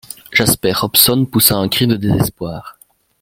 Jasper Hobson poussa un cri de désespoir.